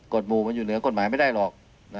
หมู่มันอยู่เหนือกฎหมายไม่ได้หรอก